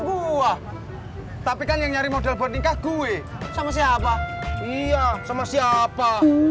gua tapi kan yang nyari model buat nikah gue sama siapa iya sama siapa